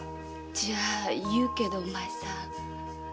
じゃあ言うけどお前さん。